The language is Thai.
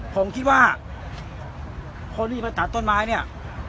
คนที่มันหลอนตัดต้นไม้เนี่ย